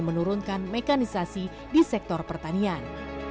dan menurunkan mekanisasi di sektor pertanian